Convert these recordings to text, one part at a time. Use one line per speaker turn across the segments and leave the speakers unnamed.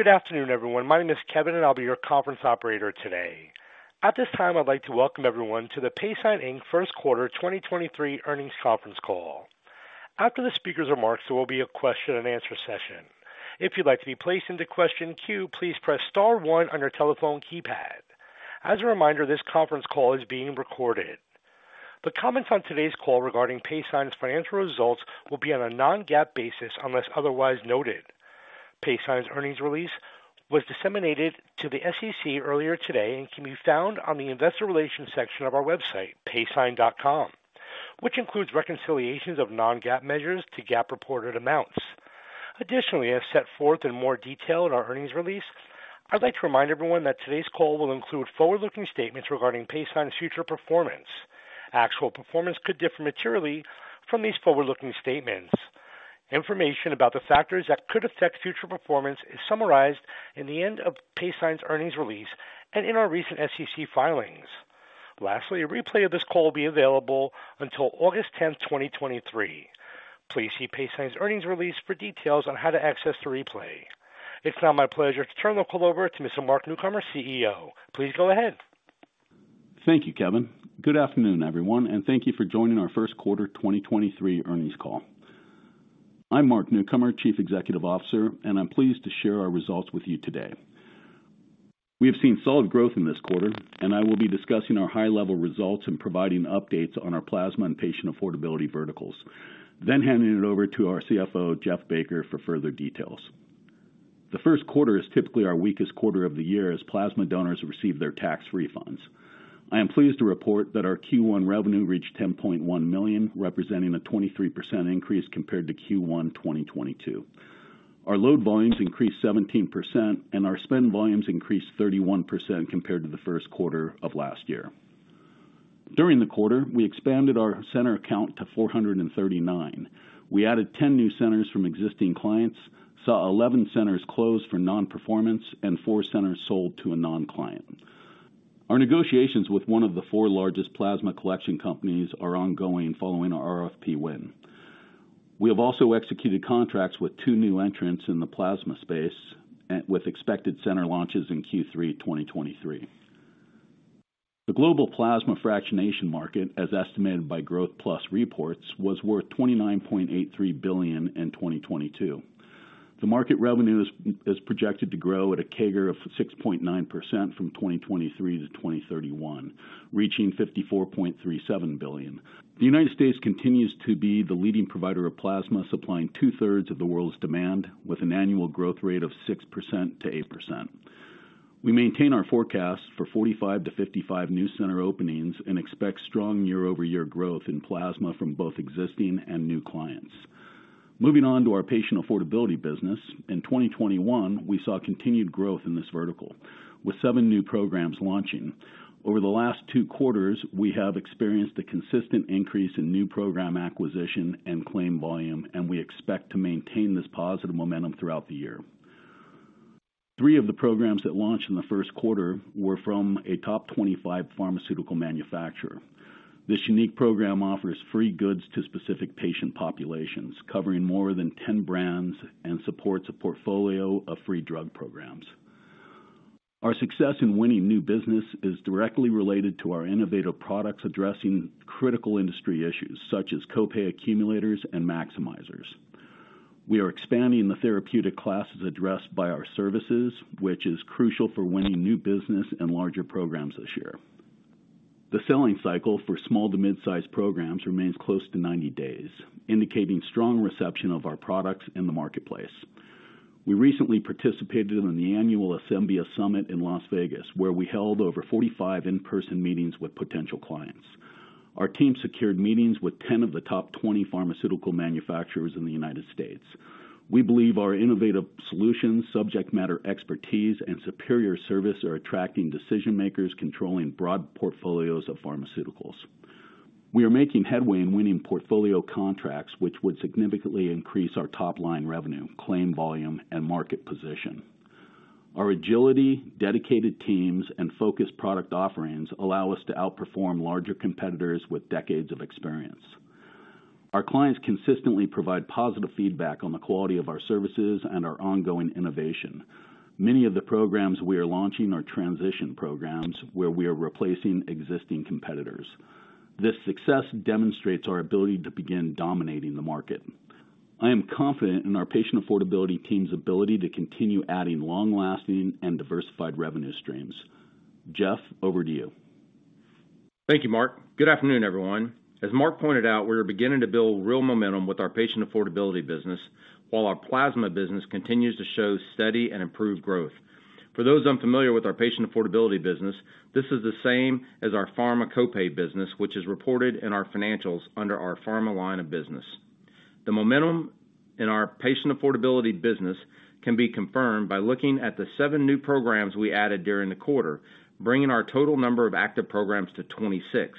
Good afternoon, everyone. My name is Kevin, and I'll be your conference operator today. At this time, I'd like to welcome everyone to the Paysign, Inc. First Quarter 2023 Earnings Conference Call. After the speaker's remarks, there will be a question and answer session. If you'd like to be placed into question queue, please press star one on your telephone keypad. As a reminder, this conference call is being recorded. The comments on today's call regarding Paysign's financial results will be on a non-GAAP basis, unless otherwise noted. Paysign's earnings release was disseminated to the SEC earlier today and can be found on the investor relations section of our website, paysign.com, which includes reconciliations of non-GAAP measures to GAAP reported amounts. Additionally, as set forth in more detail in our earnings release, I'd like to remind everyone that today's call will include forward-looking statements regarding Paysign's future performance. Actual performance could differ materially from these forward-looking statements. Information about the factors that could affect future performance is summarized in the end of Paysign's earnings release and in our recent SEC filings. Lastly, a replay of this call will be available until August 10th, 2023. Please see Paysign's earnings release for details on how to access the replay. It's now my pleasure to turn the call over to Mr. Mark Newcomer, CEO. Please go ahead.
Thank you, Kevin. Good afternoon, everyone. Thank you for joining our first quarter 2023 earnings call. I'm Mark Newcomer, Chief Executive Officer. I'm pleased to share our results with you today. We have seen solid growth in this quarter. I will be discussing our high-level results and providing updates on our plasma and patient affordability verticals, then handing it over to our CFO, Jeff Baker, for further details. The first quarter is typically our weakest quarter of the year as plasma donors receive their tax refunds. I am pleased to report that our Q1 revenue reached $10.1 million, representing a 23% increase compared to Q1 2022. Our load volumes increased 17% and our spend volumes increased 31% compared to the first quarter of last year. During the quarter, we expanded our center count to 439. We added 10 new centers from existing clients, saw 11 centers close for non-performance and four centers sold to a non-client. Our negotiations with one of the four largest plasma collection companies are ongoing following our RFP win. We have also executed contracts with two new entrants in the plasma space and with expected center launches in Q3 2023. The global plasma fractionation market, as estimated by Growth Plus Reports, was worth $29.83 billion in 2022. The market revenue is projected to grow at a CAGR of 6.9% from 2023 to 2031, reaching $54.37 billion. The United States continues to be the leading provider of plasma, supplying two-thirds of the world's demand with an annual growth rate of 6%-8%. We maintain our forecast for 45-55 new center openings and expect strong year-over-year growth in plasma from both existing and new clients. Moving on to our patient affordability business. In 2021, we saw continued growth in this vertical with seven new programs launching. Over the last two quarters, we have experienced a consistent increase in new program acquisition and claim volume, and we expect to maintain this positive momentum throughout the year. Three of the programs that launched in the first quarter were from a top 25 pharmaceutical manufacturer. This unique program offers free goods to specific patient populations covering more than 10 brands and supports a portfolio of free drug programs. Our success in winning new business is directly related to our innovative products addressing critical industry issues such as copay accumulators and maximizers. We are expanding the therapeutic classes addressed by our services, which is crucial for winning new business and larger programs this year. The selling cycle for small to mid-size programs remains close to 90 days, indicating strong reception of our products in the marketplace. We recently participated in the annual Asembia Summit in Las Vegas, where we held over 45 in-person meetings with potential clients. Our team secured meetings with 10 of the top 20 pharmaceutical manufacturers in the United States. We believe our innovative solutions, subject matter expertise, and superior service are attracting decision-makers controlling broad portfolios of pharmaceuticals. We are making headway in winning portfolio contracts which would significantly increase our top-line revenue, claim volume, and market position. Our agility, dedicated teams, and focused product offerings allow us to outperform larger competitors with decades of experience. Our clients consistently provide positive feedback on the quality of our services and our ongoing innovation. Many of the programs we are launching are transition programs, where we are replacing existing competitors. This success demonstrates our ability to begin dominating the market. I am confident in our Patient Affordability team's ability to continue adding long-lasting and diversified revenue streams. Jeff, over to you.
Thank you, Mark. Good afternoon, everyone. As Mark pointed out, we are beginning to build real momentum with our patient affordability business while our plasma business continues to show steady and improved growth. For those unfamiliar with our patient affordability business, this is the same as our pharma copay business, which is reported in our financials under our pharma line of business. The momentum in our patient affordability business can be confirmed by looking at the seven new programs we added during the quarter, bringing our total number of active programs to 26.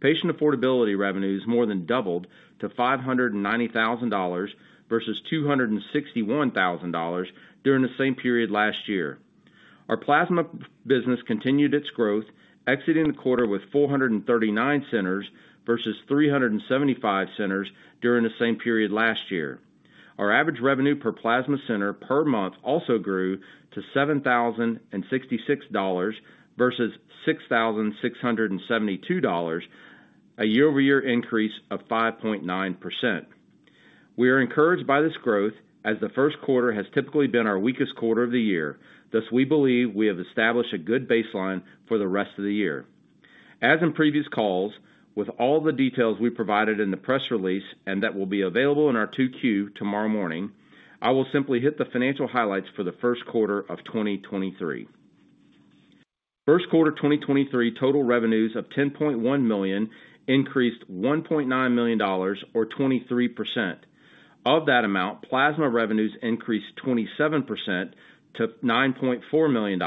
Patient affordability revenues more than doubled to $590,000 versus $261,000 during the same period last year. Our plasma business continued its growth, exiting the quarter with 439 centers versus 375 centers during the same period last year. Our average revenue per plasma center per month also grew to $7,066 versus $6,672, a year-over-year increase of 5.9%. We are encouraged by this growth as the first quarter has typically been our weakest quarter of the year. We believe we have established a good baseline for the rest of the year. As in previous calls, with all the details we provided in the press release and that will be available in our 2Q tomorrow morning, I will simply hit the financial highlights for the first quarter of 2023. First quarter 2023 total revenues of $10.1 million increased $1.9 million or 23%. Of that amount, plasma revenues increased 27% to $9.4 million.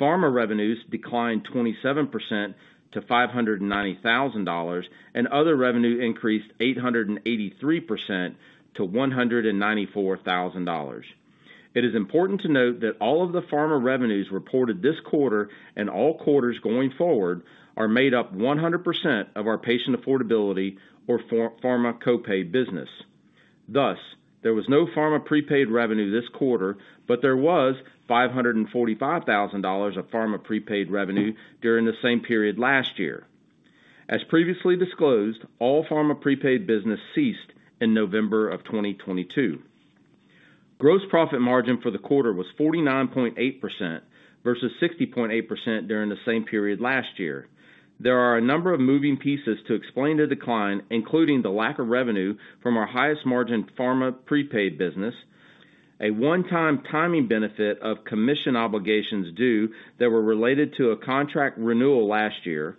Pharma revenues declined 27% to $590,000, and other revenue increased 883% to $194,000. It is important to note that all of the pharma revenues reported this quarter and all quarters going forward are made up 100% of our patient affordability or pharma copay business. There was no pharma prepaid revenue this quarter, but there was $545,000 of pharma prepaid revenue during the same period last year. As previously disclosed, all pharma prepaid business ceased in November of 2022. Gross profit margin for the quarter was 49.8% versus 60.8% during the same period last year. There are a number of moving pieces to explain the decline, including the lack of revenue from our highest margin pharma prepaid business, a one-time timing benefit of commission obligations due that were related to a contract renewal last year,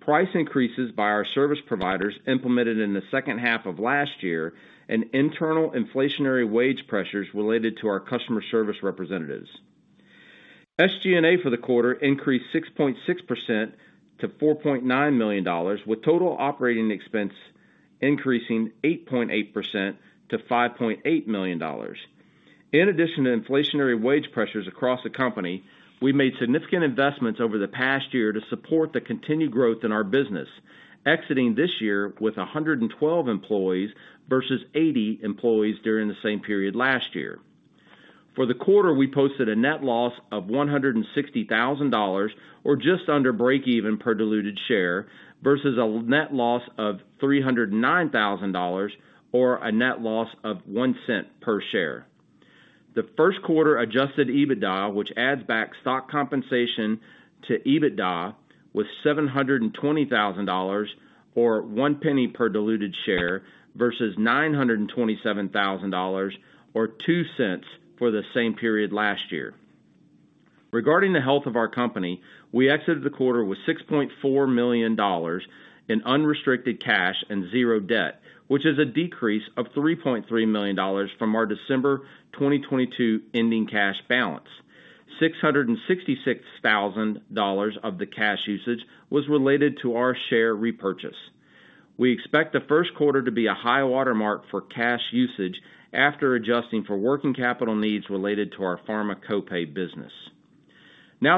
price increases by our service providers implemented in the second half of last year, and internal inflationary wage pressures related to our customer service representatives. SG&A for the quarter increased 6.6% to $4.9 million, with total operating expense increasing 8.8% to $5.8 million. In addition to inflationary wage pressures across the company, we made significant investments over the past year to support the continued growth in our business, exiting this year with 112 employees versus 80 employees during the same period last year. For the quarter, we posted a net loss of $160,000 or just under break-even per diluted share versus a net loss of $309,000 or a net loss of $0.01 per share. The first quarter adjusted EBITDA, which adds back stock compensation to EBITDA, was $720,000 or $0.01 per diluted share versus $927,000 or $0.02 for the same period last year. Regarding the health of our company, we exited the quarter with $6.4 million in unrestricted cash and zero debt, which is a decrease of $3.3 million from our December 2022 ending cash balance. $666,000 of the cash usage was related to our share repurchase. We expect the first quarter to be a high watermark for cash usage after adjusting for working capital needs related to our pharma copay business.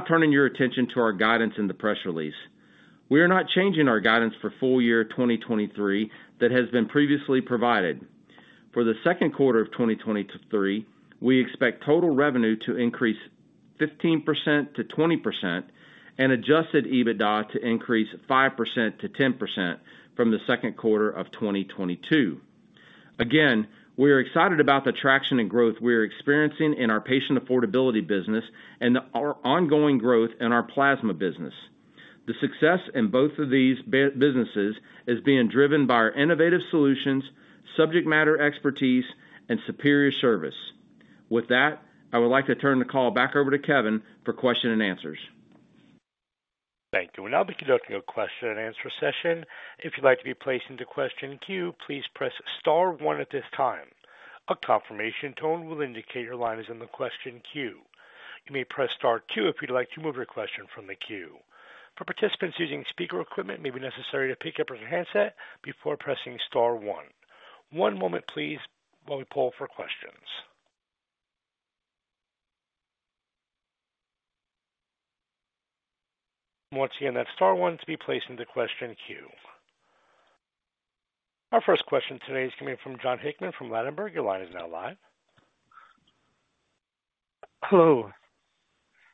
Turning your attention to our guidance in the press release. We are not changing our guidance for full year 2023 that has been previously provided. For the second quarter of 2023, we expect total revenue to increase 15%-20% and adjusted EBITDA to increase 5%-10% from the second quarter of 2022. We are excited about the traction and growth we are experiencing in our patient affordability business and our ongoing growth in our plasma business. The success in both of these businesses is being driven by our innovative solutions, subject matter expertise, and superior service. With that, I would like to turn the call back over to Kevin for question and answers.
Thank you. We'll now be conducting a question and answer session. If you'd like to be placed into question queue, please press star one at this time. A confirmation tone will indicate your line is in the question queue. You may press star two if you'd like to remove your question from the queue. For participants using speaker equipment, it may be necessary to pick up your handset before pressing star one. One moment please while we poll for questions. Once again, that's star one to be placed into question queue. Our first question today is coming from Jon Hickman from Ladenburg. Your line is now live.
Hello.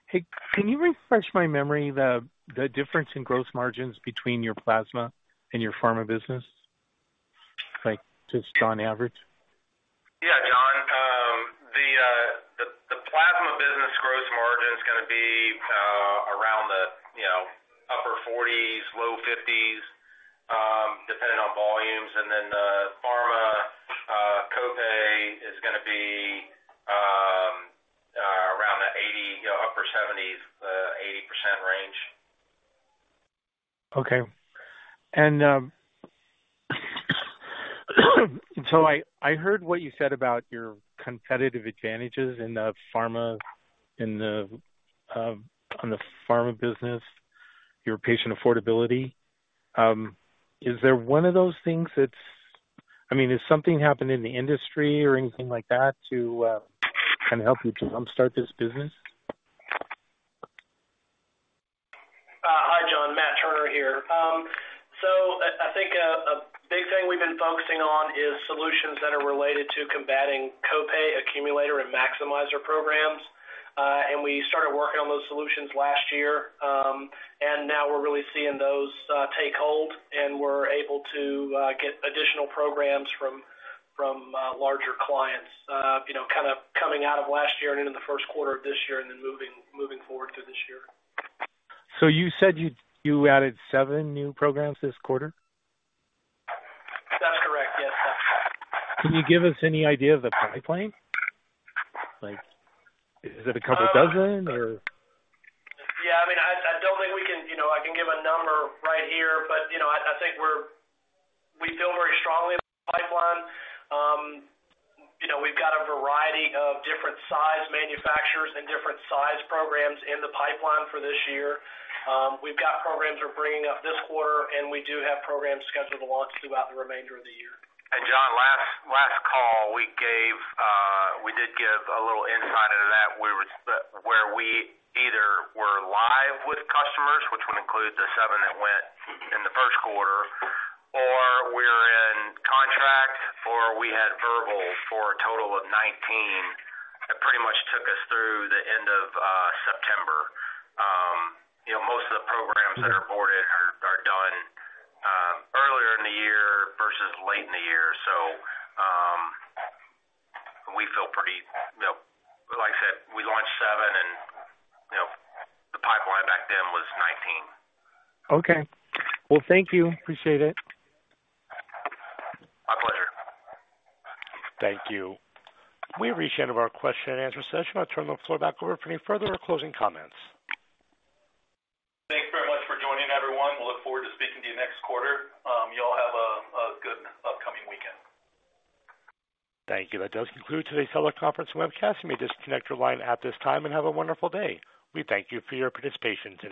Hey, can you refresh my memory the difference in gross margins between your plasma and your pharma business? Like, just on average.
Yeah, Jon. The plasma business gross margin is gonna be, around the, you know, upper 40s, low 50s, depending on volumes. The pharma copay is gonna be, around the 80, you know, upper 70s, 80% range.
Okay. I heard what you said about your competitive advantages on the pharma business, your patient affordability. Is there one of those things that's, I mean, has something happened in the industry or anything like that to kind of help you to jumpstart this business?
Hi, Jon. Matt Turner here. I think a big thing we've been focusing on is solutions that are related to combating copay accumulator and maximizer programs. We started working on those solutions last year. Now we're really seeing those take hold, and we're able to get additional programs from larger clients, you know, kind of coming out of last year and into the first quarter of this year and then moving forward through this year.
You said you added seven new programs this quarter?
That's correct. Yes, sir.
Can you give us any idea of the pipeline? Like, is it a couple dozen or?
I mean, I don't think we can, you know, I can give a number right here. You know, I think we feel very strongly about the pipeline. You know, we've got a variety of different size manufacturers and different size programs in the pipeline for this year. We've got programs we're bringing up this quarter, we do have programs scheduled to launch throughout the remainder of the year.
Jon, last call, we gave, we did give a little insight into that. Where we either were live with customers, which would include the seven that went in the first quarter, or we're in contract, or we had verbal for a total of 19. That pretty much took us through the end of September. You know, most of the programs that are boarded are done earlier in the year versus late in the year. We feel pretty, you know. Like I said, we launched seven and, you know, the pipeline back then was 19.
Okay. Well, thank you. Appreciate it.
My pleasure.
Thank you. We've reached the end of our question and answer session. I'll turn the floor back over for any further or closing comments.
Thanks very much for joining, everyone. We look forward to speaking to you next quarter. You all have a good upcoming weekend.
Thank you. That does conclude today's teleconference webcast. You may disconnect your line at this time and have a wonderful day. We thank you for your participation today.